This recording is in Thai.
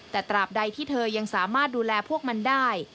แต่ตราบใดที่เธอยังสามารถดูแลพวกมันได้